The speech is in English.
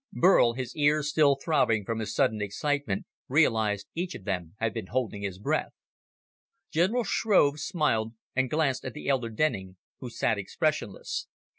Burl, his ears still throbbing from his sudden excitement, realized each of them had been holding his breath. General Shrove smiled and glanced at the elder Denning, who sat expressionless.